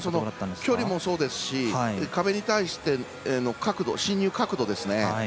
距離もそうですし壁に対しての進入角度ですね。